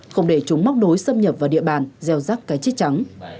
không để chúng móc đối xâm nhập vào địa bàn gieo rắc cái chết trắng